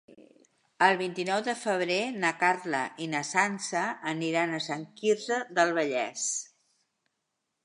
El vint-i-nou de febrer na Carla i na Sança aniran a Sant Quirze del Vallès.